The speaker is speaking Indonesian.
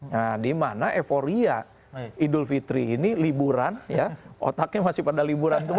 nah dimana eforia idul fitri ini liburan otaknya masih pada liburan semua nih